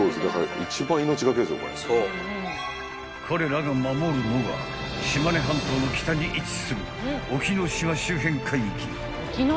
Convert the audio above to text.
［彼らが守るのが島根半島の北に位置する隠岐の島周辺海域］